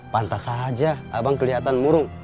pantas saja abang kelihatan murung